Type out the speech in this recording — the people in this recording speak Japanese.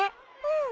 うん。